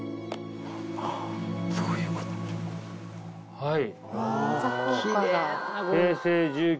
はい。